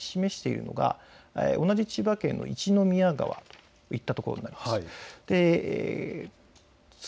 今、画像で示しているのが同じ、千葉県の一宮川というところになります。